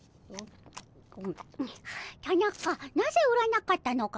タナカなぜ売らなかったのかの？